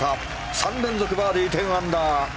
３連続バーディー１０アンダー。